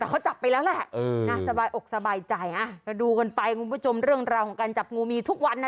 แต่เขาจับไปแล้วละออกสบายใจ